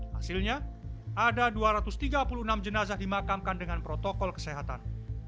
hasilnya ada dua ratus tiga puluh enam jenazah dimakamkan dengan protokol kesehatan